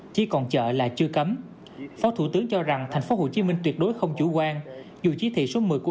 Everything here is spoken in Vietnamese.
chỉ còn chợ là chưa cấm phó thủ tướng cho rằng tp hcm tuyệt đối không chủ quan dù chỉ thị số một mươi của